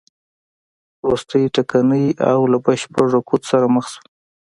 وروسته ټکنۍ او له بشپړ رکود سره مخ شوه.